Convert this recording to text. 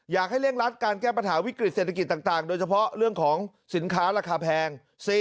เร่งรัดการแก้ปัญหาวิกฤตเศรษฐกิจต่างโดยเฉพาะเรื่องของสินค้าราคาแพง